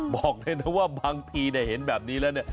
บอกได้นะว่าบางทีได้เห็นแบบนี้แล้ว